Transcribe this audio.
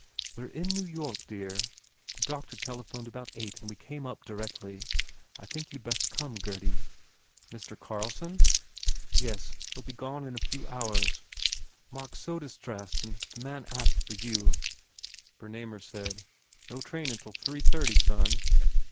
"We re in New York, dear. The doctor tele phoned about eight and we came up directly. I think you d best come, Gurdy." "Mr. Carlson?" 247 THE FAIR REWARDS "Yes. He ll be gone in a few hours. Mark s so distressed and the old man asked for you." Bernamer said, "No train until three thirty, son."